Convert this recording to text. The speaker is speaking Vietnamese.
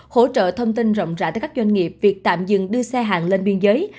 hỗ trợ thông tin rộng rãi tới các doanh nghiệp việc tạm dừng đưa xe hàng lên biên giới